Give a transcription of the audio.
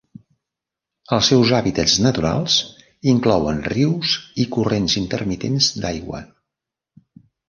Els seus hàbitats naturals inclouen rius i corrents intermitents d'aigua.